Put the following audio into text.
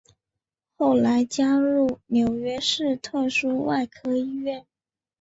后来加入纽约市特殊外科医院。